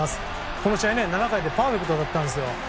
この試合、７回でパーフェクトだったんですよ。